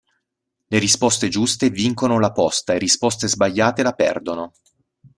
Le risposte giuste vincono la posta e risposte sbagliate la perdono.